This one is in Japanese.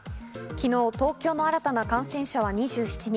昨日、東京の新たな感染者は２７人。